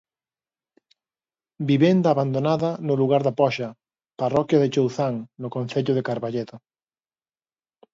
Vivenda abandonada no lugar da Poxa, parroquia de Chouzán no concello de Carballedo.